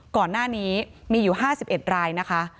ก่อนหน้านี้มีอยู่๕๑รายนะคะ